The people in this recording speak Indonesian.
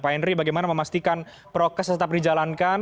pak henry bagaimana memastikan prokes tetap dijalankan